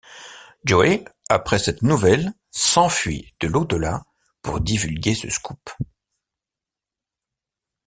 Joe, après cette nouvelle s'enfuit de l'au-delà pour divulguer ce scoop.